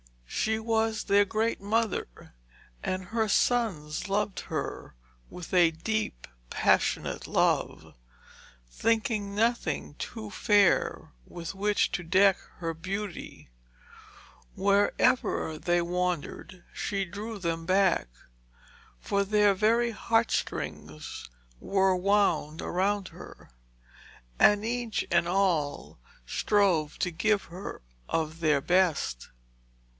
She was their great mother, and her sons loved her with a deep, passionate love, thinking nothing too fair with which to deck her beauty. Wherever they wandered she drew them back, for their very heartstrings were wound around her, and each and all strove to give her of their best.